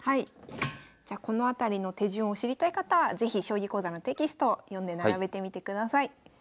じゃこの辺りの手順を知りたい方は是非「将棋講座」のテキストを読んで並べてみてください。